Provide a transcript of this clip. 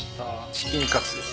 チキンカツです。